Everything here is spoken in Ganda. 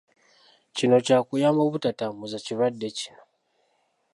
Kino kyakuyamba obutatambuza kirwadde kino.